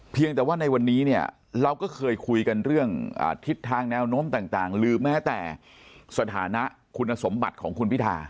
เพียงแต่ว่าในวันนี้เนี่ยเราก็เคยคุยกันเรื่องทิศทางแนวโน้มต่างหรือแม้แต่สถานะคุณสมบัติของคุณพิธา